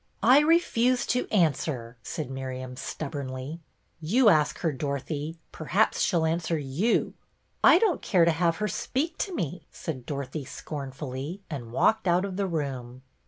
" I refuse to answer," said Miriam, stub bornly. " You ask her, Dorothy. Perhaps she 'll answer you." " I don't care to have her speak to me," said Dorothy, scornfully, and walked out of the room.